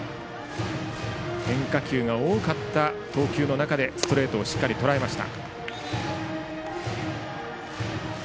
変化球が多かった投球の中でストレートしっかりとらえました。